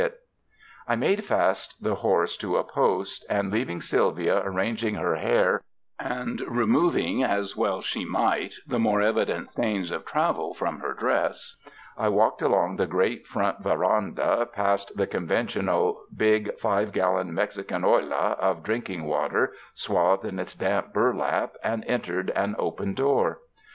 121 UNDER THE SKY IN CALIFORNIA I made fast the horse to a post, and, leaving Syl via arranging her hair and removing as well as she might the more evident stains of travel from her dress, I walked along the great front veranda, past the conventional big five gallon Mexican olla of drinking water swathed in its damp burlap, and entered an open door.